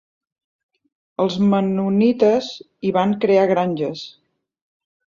Els Mennonites hi van crear granges.